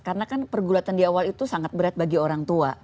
karena kan pergulatan di awal itu sangat berat bagi orang tua